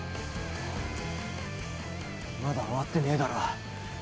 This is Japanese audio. まだ終わってねえだろ。